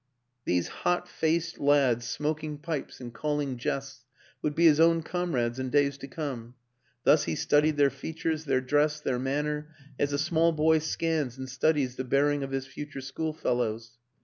These hot faced lads smoking pipes and calling jests would be his own comrades in days to come; thus he studied their features, their dress, their manner, as a small boy scans and studies the bearing of his future schoolfellows.